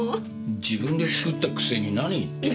自分で作ったくせに何言ってる。